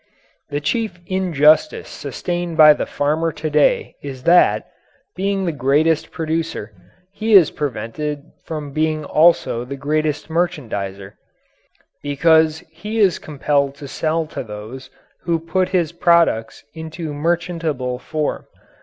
The chief injustice sustained by the farmer to day is that, being the greatest producer, he is prevented from being also the greatest merchandiser, because he is compelled to sell to those who put his products into merchantable form.